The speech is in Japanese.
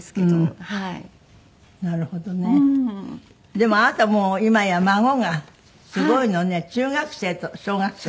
でもあなたもう今や孫がすごいのね中学生と小学生と。